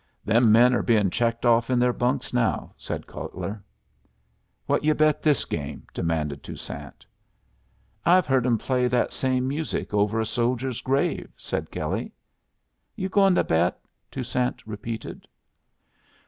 "Them men are being checked off in their bunks now," said Cutler. "What you bet this game?" demanded Toussaint. "I've heard 'em play that same music over a soldier's grave," said Kelley. "You goin' to bet?" Toussaint repeated.